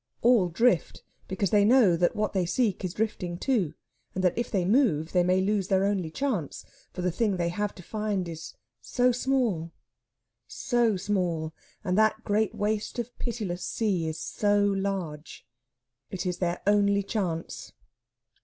All drift, because they know that what they seek is drifting, too, and that if they move they lose their only chance; for the thing they have to find is so small, so small, and that great waste of pitiless sea is so large. It is their only chance.